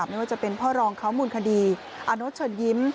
ไม่ว่าจะเป็นพ่อรองเขามูลคดีอาโน๊ตเชิญยิ้ม